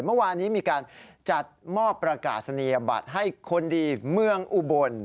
เมื่อวานนี้มีการจัดมอบประกาศนียบัตรให้คนดีเมืองอุบล